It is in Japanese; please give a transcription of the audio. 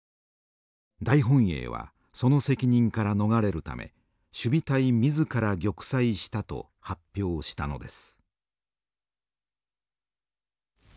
大本営はその責任から逃れるため守備隊自ら玉砕したと発表したのです。